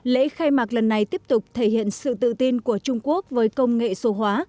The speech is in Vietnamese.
lễ khai mạc lần này tiếp tục thể hiện sự tự tin của trung quốc với công nghệ số hóa